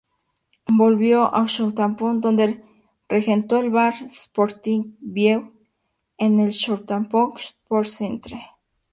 Volvió a Southampton, donde regentó el bar "Sporting View" en el Southampton Sports Centre.